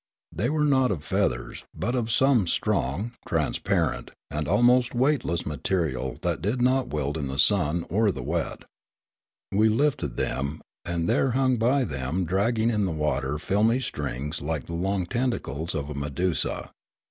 They were not of feathers, but of some strong, The Mysterious Shot 3 transparent, and almost weightless material that did not wilt in the sun or the wet. We lifted them, and there hung by them dragging in the water filmy strings like the long tentacles of a medusa.